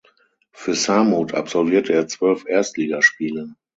Für Samut absolvierte er zwölf Erstligaspiele.